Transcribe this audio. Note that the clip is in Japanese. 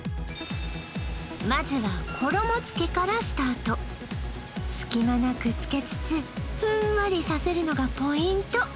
まずは衣付けからスタート隙間なく付けつつふんわりさせるのがポイント